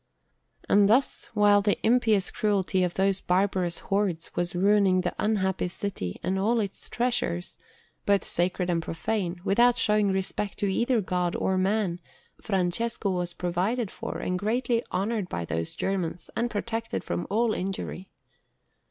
And thus, while the impious cruelty of those barbarous hordes was ruining the unhappy city and all its treasures, both sacred and profane, without showing respect to either God or man, Francesco was provided for and greatly honoured by those Germans, and protected from all injury.